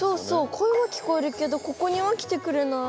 声は聞こえるけどここには来てくれない。